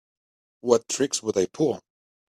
What tricks would I pull?